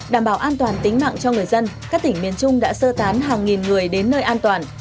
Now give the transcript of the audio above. đảm bảo an toàn tính mạng cho người dân các tỉnh miền trung đã sơ tán hàng nghìn người đến nơi an toàn